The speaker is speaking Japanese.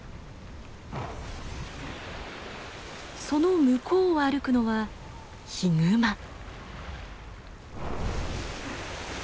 その向こうを歩くのはヒグマ。